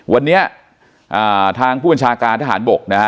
วันนี้ทางผู้บัญชาการทหารบกนะฮะ